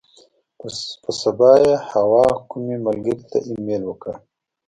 پر سبا یې حوا کومې ملګرې ته ایمیل وکړ.